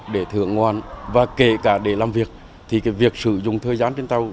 để thưởng ngoan và kể cả để làm việc thì việc sử dụng thời gian trên tàu